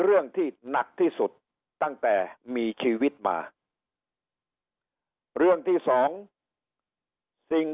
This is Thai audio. เรื่องที่หนักที่สุดตั้งแต่มีชีวิตมาเรื่องที่สองสิ่ง